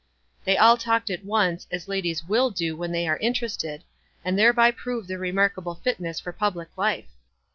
They all talked at once, as ladies will do when they are interested, and thereby prove their remarkable fitness for pub lic life.